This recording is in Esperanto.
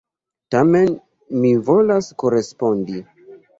Tamen mi volas korespondi.